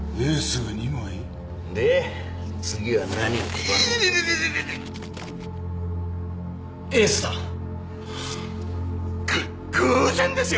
ぐ偶然ですよ！